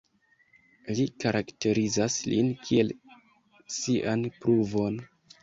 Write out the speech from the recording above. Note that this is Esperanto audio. Li karakterizas lin kiel 'Sian pruvon'.